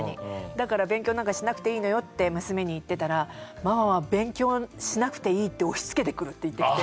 だから勉強なんかしなくていいのよって娘に言ってたらママは勉強しなくていいって押しつけてくるって言ってきて。